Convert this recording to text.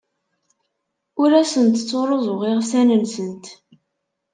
Ur asent-ttruẓuɣ iɣsan-nsent.